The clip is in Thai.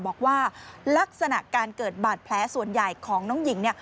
บอกว่าลักษณะการเกิดบาดแผลส่วนใหญ่ของน้องหญิงเนี่ย